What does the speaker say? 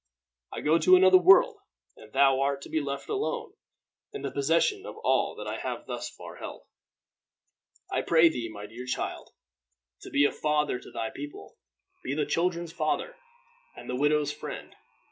I go to another world, and thou art to be left alone in the possession of all that I have thus far held. I pray thee, my dear child, to be a father to thy people. Be the children's father and the widow's friend.